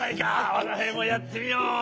わがはいもやってみよう。